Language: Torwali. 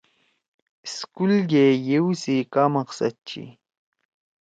سکول گے یؤ سی کا مقصد چھی؟